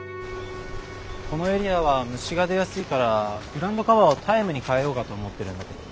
このエリアは虫が出やすいからグラウンドカバーをタイムに変えようかと思ってるんだけど。